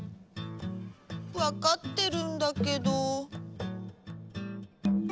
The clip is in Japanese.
わかってるんだけど。